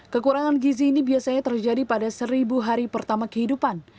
kekurangan gizi ini biasanya terjadi pada seribu hari pertama kehidupan